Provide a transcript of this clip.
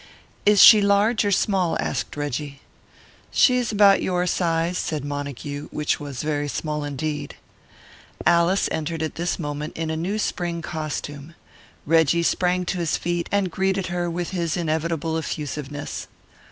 "Is she large or small?" asked Reggie. "She is about your size," said Montague, which was very small indeed. Alice entered at this moment in a new spring costume. Reggie sprang to his feet, and greeted her with his inevitable effusiveness.